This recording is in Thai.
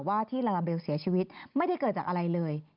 ที่ลาลาเบลเสียชีวิตไม่ได้เกิดจากอะไรเลย